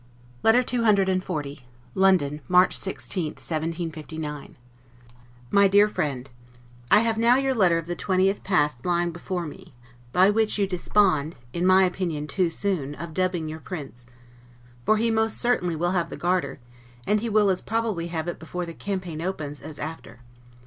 LETTER CCXL LONDON, March 16, 1759 MY DEAR FRIEND: I have now your letter of the 20th past lying before me, by which you despond, in my opinion too soon, of dubbing your Prince; for he most certainly will have the Garter; and he will as probably have it before the campaign opens, as after.